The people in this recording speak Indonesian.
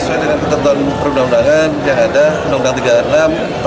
untuk perundangan perundangan yang ada